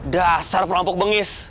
dasar perampok bengis